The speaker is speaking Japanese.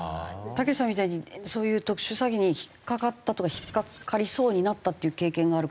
たけしさんみたいにそういう特殊詐欺に引っかかったとか引っかかりそうになったっていう経験がある方。